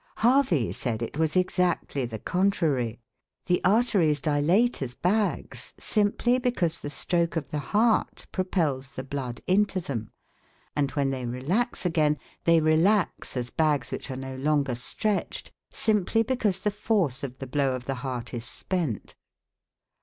Harvey said it was exactly the contrary the arteries dilate as bags simply because the stroke of the heart propels the blood into them; and, when they relax again, they relax as bags which are no longer stretched, simply because the force of the blow of the heart is spent.